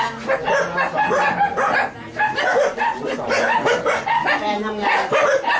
ลดเองนะมันไม่ใช่ชะเหลี่ยวนะ